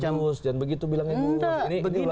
jangan begitu bilangnya gus